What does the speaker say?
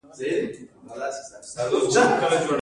لکه اوربل راسه ، پۀ څنګ راسه